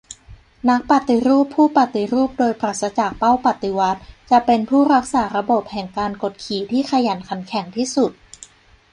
นักปฏิรูปผู้ปฏิรูปโดยปราศจากเป้าปฏิวัติ จะเป็นผู้รักษาระบบแห่งการกดขี่ที่ขยันขันแข็งที่สุด